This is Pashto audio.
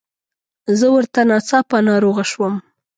زه ورته ناڅاپه ناروغه شوم.